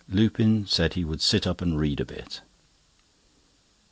Lupin said he would sit up and read a bit.